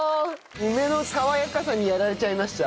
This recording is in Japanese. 梅の爽やかさにやられちゃいました。